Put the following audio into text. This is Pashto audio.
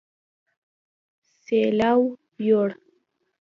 سېلاو يوړ